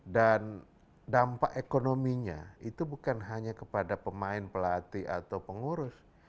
dan dampak ekonominya itu bukan hanya kepada pemain pelatih atau pengurus